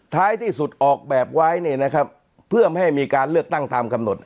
ท้ายที่สุดออกแบบไว้เนี่ยนะครับเพื่อไม่ให้มีการเลือกตั้งตามกำหนด